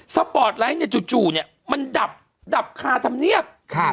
สปอร์ตไลท์จู่มันดับคาทำเนียบ